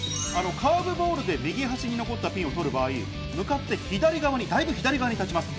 カーブボールで右端に残ったボールを取る場合、向かってだいぶ左側に立ちます。